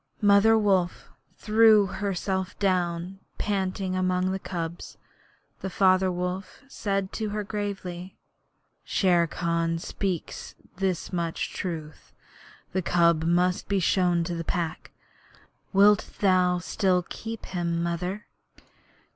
Mother Wolf threw herself down panting among the cubs, and Father Wolf said to her gravely: 'Shere Khan speaks this much truth. The cub must be shown to the Pack. Wilt thou still keep him, Mother?'